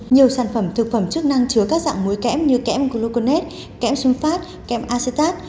nhiều sản phẩm thực phẩm chức năng chứa các dạng mối kém như kém gluconate kém sunfat kém acetate